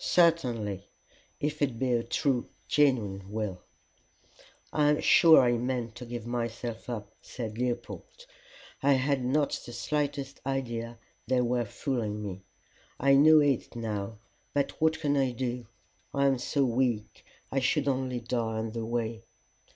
"Certainly, if it be a true, genuine will." "I am sure I meant to give myself up," said Leopold. "I had not the slightest idea they were fooling me. I know it now, but what can I do? I am so weak, I should only die on the way."